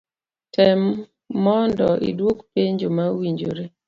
Tem momdo iduok penjo ma owinjore.